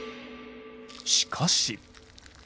しかし。